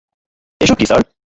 এসব কি স্যার?